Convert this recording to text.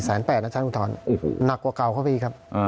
๔แสนแปดนะชานุทรหนักกว่าเก่าครับพี่ครับ